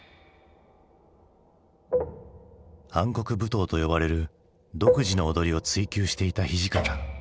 「暗黒舞踏」と呼ばれる独自の踊りを追究していた土方。